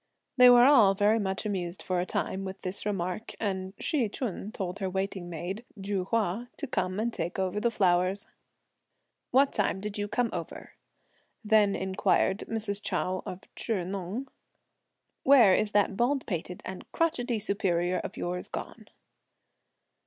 They were all very much amused for a time with this remark, and Hsi Ch'un told her waiting maid, Ju Hua, to come and take over the flowers. "What time did you come over?" then inquired Mrs. Chou of Chih Neng. "Where is that bald pated and crotchety superior of yours gone?"